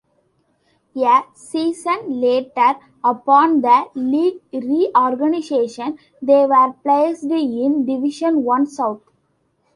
A season later, upon the league reorganisation, they were placed in Division One South.